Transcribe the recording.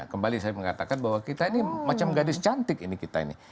kembali saya mengatakan bahwa kita ini macam gadis cantik ini kita ini